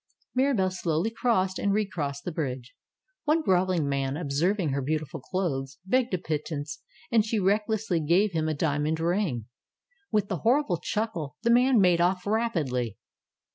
Mirabelle slowly crossed, and recrossed the bridge. One groveling man, observing her beautiful clothes, begged a pittance, and she recklessly gave him a dia mond ring. With a horrible chuckle, the man made off rapidly.